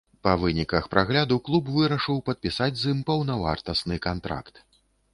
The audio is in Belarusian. Па выніках прагляду клуб вырашыў падпісаць з ім паўнавартасны кантракт.